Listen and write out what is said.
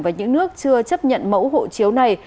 và những nước chưa chấp nhận mẫu hộ chiếu này